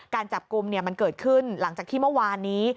การจับกลุ่มมันเกิดขึ้นหลังจากที่เมื่อวานนี้